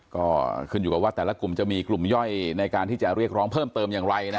ก็ขึ้นอยู่กับว่าแต่ละกลุ่มจะมีกลุ่มย่อยในการที่จะเรียกร้องเพิ่มเติมอย่างไรนะ